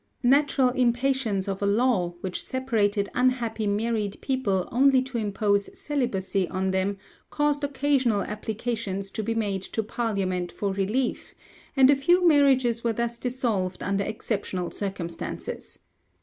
Natural impatience of a law which separated unhappy married people only to impose celibacy on them, caused occasional applications to be made to Parliament for relief, and a few marriages were thus dissolved under exceptional circumstances.